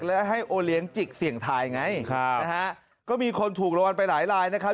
และให้โอเลี้ยงจิกเสี่ยงทายไงนะฮะก็มีคนถูกรางวัลไปหลายลายนะครับ